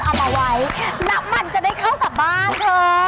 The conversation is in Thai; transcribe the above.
เอามาไว้แล้วมันจะได้เข้ากับบ้านเถอะ